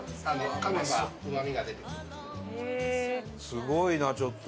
すごいなちょっと。